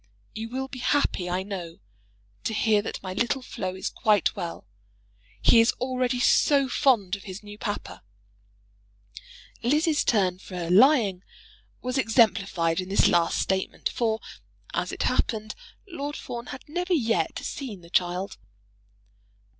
You will be happy, I know, to hear that my little Flo is quite well. He is already so fond of his new papa! [Lizzie's turn for lying was exemplified in this last statement, for, as it happened, Lord Fawn had never yet seen the child.